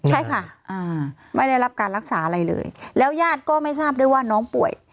ใช่ค่ะไม่ได้รับการรักษาอะไรเลยแล้วญาติก็ไม่ทราบด้วยว่าน้องป่วย